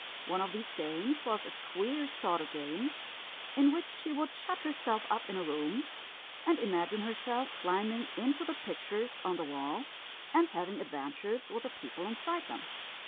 One of these games was a queer sort of game, in which she would shut herself up in a room, and imagine herself climbing into the pictures on the wall and having adventures with the people inside them.